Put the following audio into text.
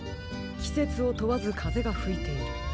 きせつをとわずかぜがふいている。